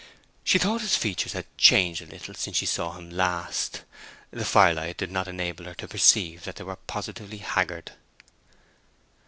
She thought his features had changed a little since she saw them last. The fire light did not enable her to perceive that they were positively haggard.